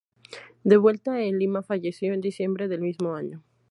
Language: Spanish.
De vuelta en Lima, falleció en diciembre del mismo año.